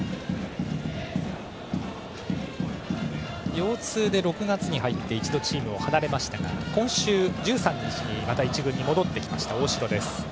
腰痛で６月に入って一度、チームを離れましたが今週、１３日にまた１軍に戻ってきました大城。